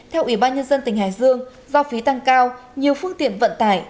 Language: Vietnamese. theo ủy ban nhân dân tỉnh hải dương do phí tăng cao nhiều phương tiện vận tải